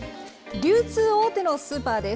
流通大手のスーパーです。